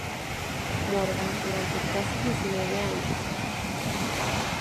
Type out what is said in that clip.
Morgan durante casi diecinueve años.